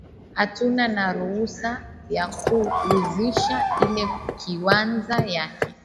Atuna na ruusa ya ku uzisha ile kiwanza yake